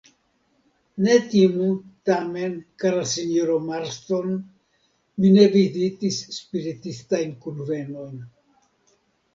Ne timu, tamen, kara sinjoro Marston, mi ne vizitis spiritistajn kunvenojn.